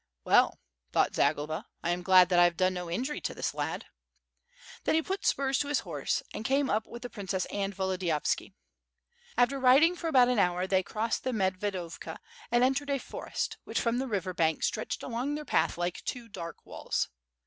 "Well," thought Zagloba, "I am glad that I have done no injury to this lad." Then he put spurs to his horse, and came up with the princess and Volodiyovski. After riding for about an hour they crossed the Medve dovka and entered a forest, which from the river bank stretched along their path like two dark walls.